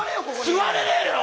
座れねえよ！